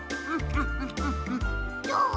どう？